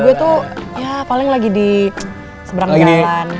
gue tuh ya paling lagi di seberang jalan